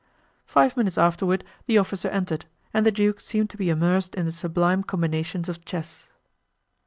Five minutes afterward the officer entered and the duke seemed to be immersed in the sublime combinations of chess.